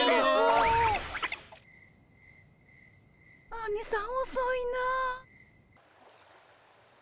アニさんおそいなぁ。